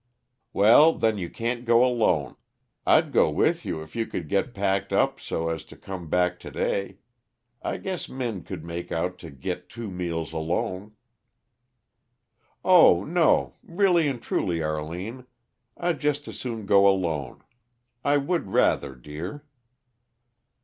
"Well, then you can't go atone. I'd go with you, if you could git packed up so as to come back to day. I guess Min could make out to git two meals alone." "Oh, no. Really and truly, Arline, I'd just as soon go alone. I would rather, dear."